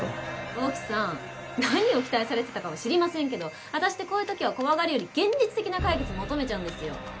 沖さん何を期待されてたかは知りませんけど私ってこういう時は怖がるより現実的な解決求めちゃうんですよ。